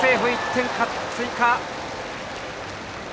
１点追加！